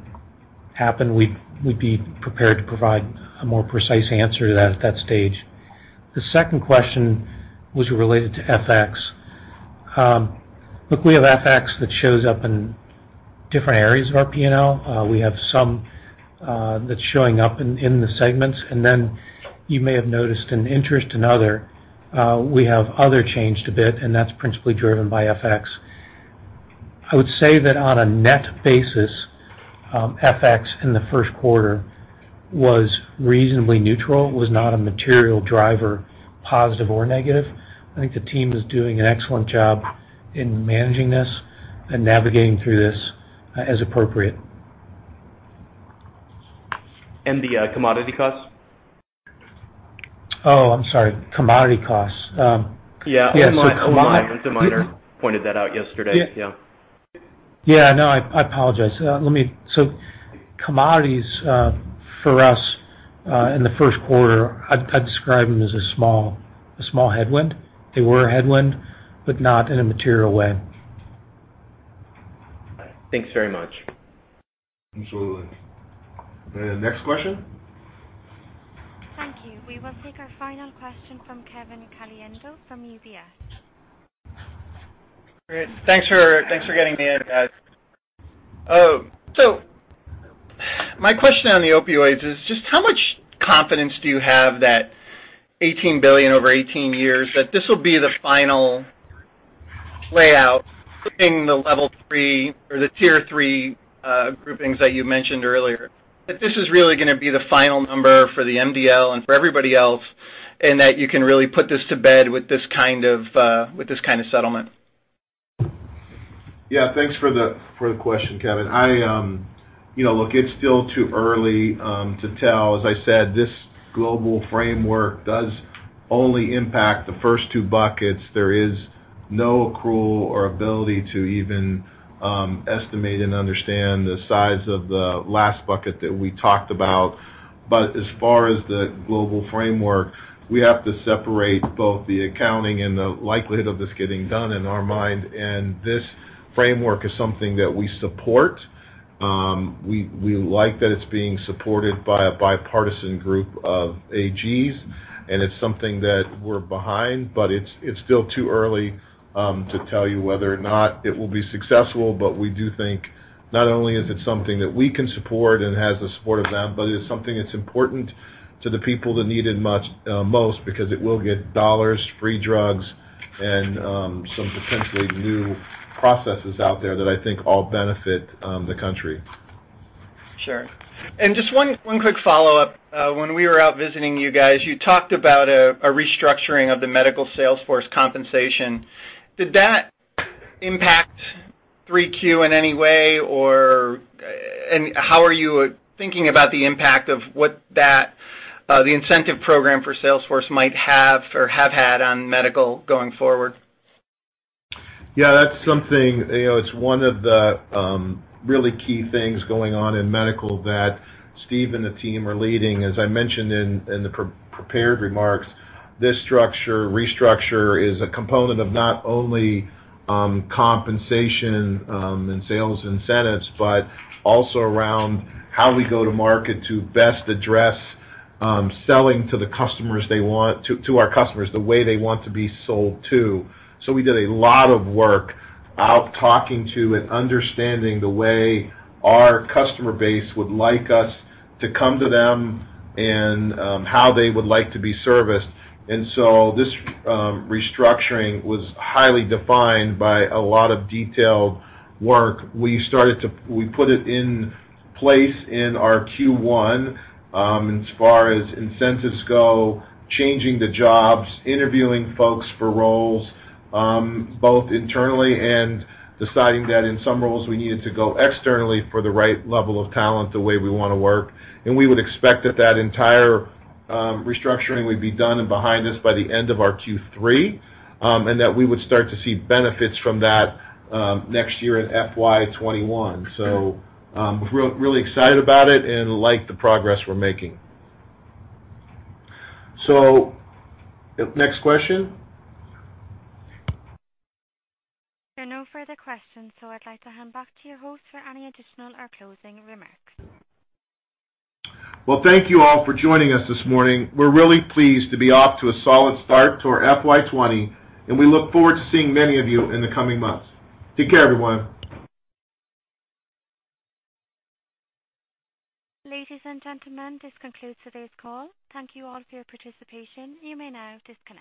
happen, we'd be prepared to provide a more precise answer to that at that stage. The second question was related to FX. Look, we have FX that shows up in different areas of our P&L. We have some that's showing up in the segments. Then you may have noticed in interest and other, we have other changed a bit. That's principally driven by FX. I would say that on a net basis, FX in the Q1 was reasonably neutral, was not a material driver, positive or negative. I think the team is doing an excellent job in managing this and navigating through this as appropriate. The commodity costs? Oh, I'm sorry. Commodity costs. Yeah. One of the analysts, pointed that out yesterday. Yeah. Yeah, no, I apologize. Commodities, for us, in the Q1, I'd describe them as a small headwind. They were a headwind, but not in a material way. All right. Thanks very much. Absolutely. Next question? Thank you. We will take our final question from Kevin Caliendo from UBS. Great. Thanks for getting me in, guys. My question on the opioids is just how much confidence do you have that $18 billion over 18 years, that this will be the final layout in the Level 3 or the Tier 3 groupings that you mentioned earlier? That this is really going to be the final number for the MDL and for everybody else, and that you can really put this to bed with this kind of settlement? Yeah, thanks for the question, Kevin. Look, it's still too early to tell. As I said, this global framework does only impact the first two buckets. There is no accrual or ability to even estimate and understand the size of the last bucket that we talked about. As far as the global framework, we have to separate both the accounting and the likelihood of this getting done in our mind. This framework is something that we support. We like that it's being supported by a bipartisan group of AGs, and it's something that we're behind, but it's still too early to tell you whether or not it will be successful. We do think not only is it something that we can support and has the support of them, but it is something that's important to the people that need it most because it will get dollars, free drugs, and some potentially new processes out there that I think all benefit the country. Sure. Just one quick follow-up. When we were out visiting you guys, you talked about a restructuring of the medical sales force compensation. Did that impact Q3 in any way? How are you thinking about the impact of what the incentive program for sales force might have or have had on medical going forward? Yeah, that's something. It's one of the really key things going on in medical that Steve and the team are leading. As I mentioned in the prepared remarks, this restructure is a component of not only compensation and sales incentives, but also around how we go to market to best address selling to our customers the way they want to be sold to. We did a lot of work out talking to and understanding the way our customer base would like us to come to them and how they would like to be serviced. This restructuring was highly defined by a lot of detailed work. We put it in place in our Q1 as far as incentives go, changing the jobs, interviewing folks for roles, both internally and deciding that in some roles, we needed to go externally for the right level of talent the way we want to work. We would expect that that entire restructuring would be done and behind us by the end of our Q3, and that we would start to see benefits from that next year in FY 2021. Really excited about it and like the progress we're making. Next question. There are no further questions, so I'd like to hand back to your host for any additional or closing remarks. Well, thank you all for joining us this morning. We're really pleased to be off to a solid start to our FY 2020, and we look forward to seeing many of you in the coming months. Take care, everyone. Ladies and gentlemen, this concludes today's call. Thank you all for your participation. You may now disconnect.